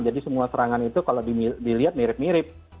jadi semua serangan itu kalau dilihat mirip mirip